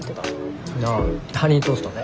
ああハニートーストね。